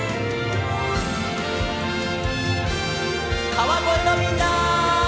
川越のみんな！